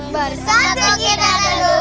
bersatu kita tentu